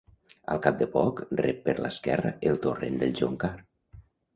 Al cap de poc rep per l'esquerra el torrent del Joncar.